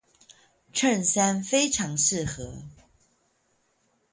襯衫非常適合